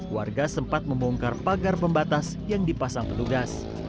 warga sempat membongkar pagar pembatas yang dipasang petugas